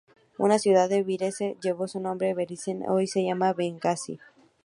Una ciudad de Cirene llevó su nombre, Berenice; hoy se llama Bengasi.